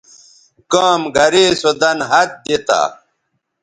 کام گرے سو دَن ہَت دی تا